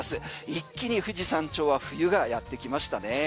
一気に富士山頂は冬がやってきましたね。